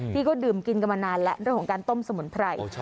ที่ก็ดื่มกินกันมานานแล้วเรื่องของการต้มสมุนไพร